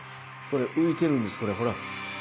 これ浮いてるんですほら。